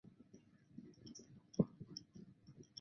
这两者都让千叶真一饰演柳生十兵卫的角色。